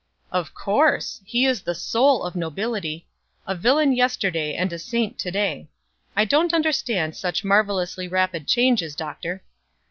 "Of course. He is the soul of nobility a villain yesterday and a saint to day. I don't understand such marvelously rapid changes, Doctor."